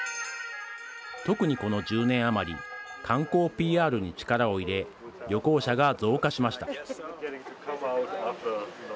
特にこの１０年余り観光ＰＲに力を入れ旅行者が増加しました。